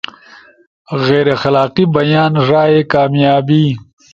غیر اخلاقی بیان، رائے، کامیابی